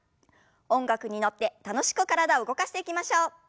音楽に乗って楽しく体動かしていきましょう。